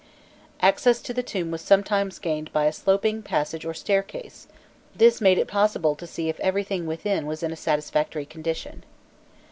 Access to the tomb was sometimes gained by a sloping passage or staircase; this made it possible to see if everything within was in a satisfactory condition.